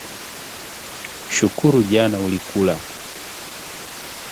Shukuru jana ulikula